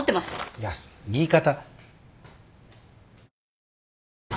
いや言い方。